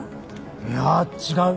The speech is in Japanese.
いや違う。